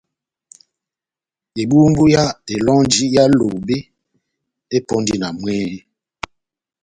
Ebumbu yá elɔnji yá Lobe epɔndi na mwehé.